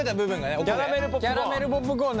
キャラメルポップコーン。